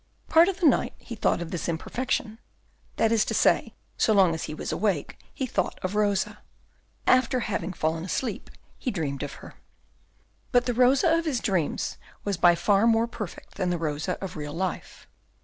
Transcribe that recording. Part of the night he thought of this imperfection; that is to say, so long as he was awake he thought of Rosa. After having fallen asleep, he dreamed of her. But the Rosa of his dreams was by far more perfect than the Rosa of real life.